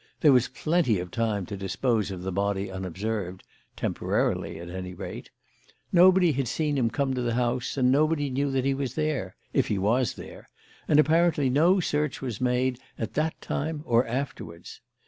There was plenty of time to dispose of the body unobserved temporarily, at any rate. Nobody had seen him come to the house, and nobody knew that he was there if he was there; and apparently no search was made either at the time or afterwards.